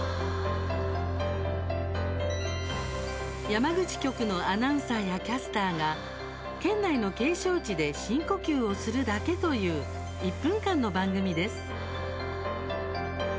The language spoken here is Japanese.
山口局のアナウンサーやキャスターが県内の景勝地で深呼吸をするだけという１分間の番組です。